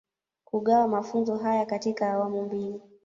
Kugawa mafunzo haya katika awamu mbili